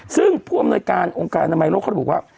ซึ่งผู้อำนวยการองค์การอนามัยโลกเขาบอกว่า